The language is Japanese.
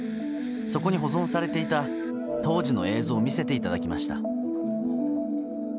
そこに保存されていた当時の映像を見せていただきました。